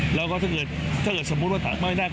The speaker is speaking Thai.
หลังการประสัยเสร็จสิ้นครับนายเศรษฐาย้ำชัด